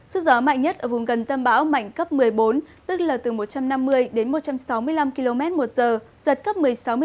sức gió mạnh nhất ở vùng gần tâm bão mạnh cấp một mươi bốn tức là từ một trăm năm mươi đến một trăm sáu mươi năm km một giờ giật cấp một mươi sáu một mươi hai